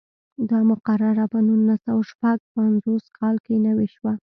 دا مقرره په نولس سوه شپږ پنځوس کال کې نوې شوه.